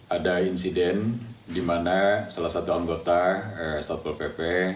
ada insiden di mana salah satu anggota satpol pp